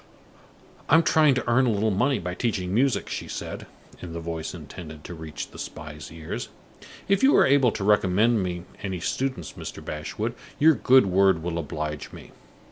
"I am trying to earn a little money by teaching music," she said, in the voice intended to reach the spy's ears. "If you are able to recommend me any pupils, Mr. Bashwood, your good word will oblige me.